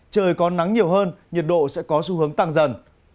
trời có nắng nhiều hơn nhiệt độ sẽ có xu hướng tăng dần